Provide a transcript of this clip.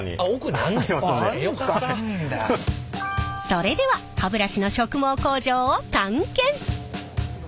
それでは歯ブラシの植毛工場を探検！